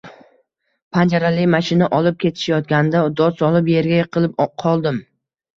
Panjarali mashina olib ketishayotganda, dod solib, erga yiqilib qoldim